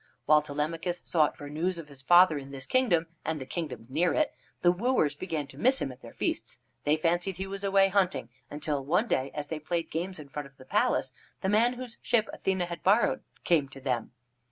While Telemachus sought for news of his father in this kingdom, and the kingdoms near it, the wooers began to miss him at their feasts. They fancied he was away hunting, until, one day, as they played games in front of the palace, the man whose ship Athene had borrowed came to them.